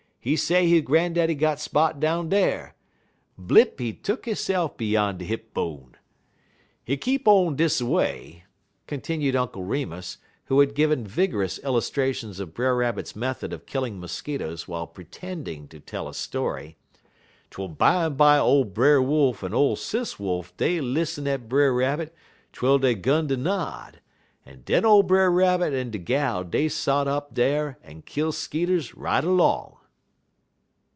He say he grandaddy got spot down dar. "Blip he tuck hisse'f beyan de hip bone. "Hit keep on dis a way," continued Uncle Remus, who had given vigorous illustrations of Brer Rabbit's method of killing mosquitoes while pretending to tell a story, "twel bimeby ole Brer Wolf en ole Sis Wolf dey lissen at Brer Rabbit twel dey 'gun ter nod, en den ole Brer Rabbit en de gal dey sot up dar en kill skeeters right erlong."